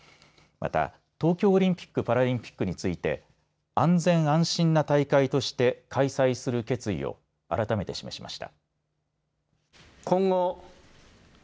また東京オリンピックパラリンピックについて安全、安心な大会として開催する決意をあらためて示しました。